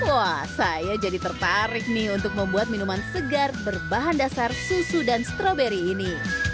wah saya jadi tertarik nih untuk membuat minuman segar berbahan dasar susu dan stroberi ini